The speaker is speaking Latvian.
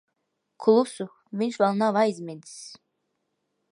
Klusu. Viņš vēl nav aizmidzis.